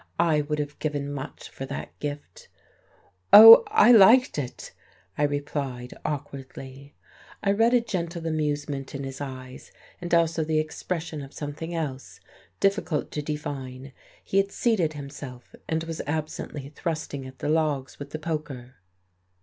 I would have given much for that gift. "Oh, I liked it," I replied awkwardly. I read a gentle amusement in his eyes, and also the expression of something else, difficult to define. He had seated himself, and was absently thrusting at the logs with the poker.